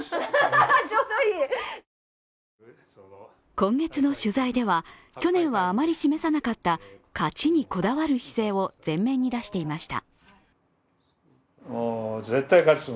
今月の取材では去年はあまり示さなかった勝ちにこだわる姿勢を前面に出していました。